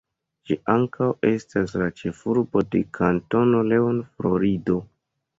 Ĝi ankaŭ estas la ĉefurbo de Kantono Leon, Florido.